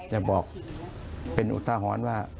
จะบอกเป็นอุทาหรณ์ว่า